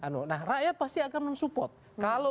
anu nah rakyat pasti akan mensupport kalau